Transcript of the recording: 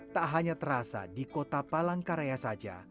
tak hanya terasa di kota palangkaraya saja